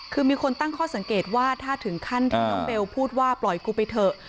คือมีคนตั้งข้อสังเกตว่าถ้าถึงขั้นที่น้องเบลพูดว่าปล่อยกูไปเถอะ